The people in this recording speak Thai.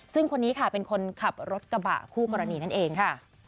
ซึ่งคนนี้ค่ะเป็นคนขับรถกระบะคู่กรณีนั่นเองค่ะ